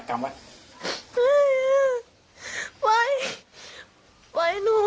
กล้ามแป้งปลายหนู